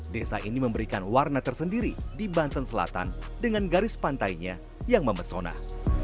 desa ini memberikan warna tersendiri di banten selatan dengan garis pantainya yang memesona